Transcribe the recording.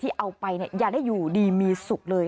ที่เอาไปเนี่ยอย่าได้อยู่ดีมีสุขเลย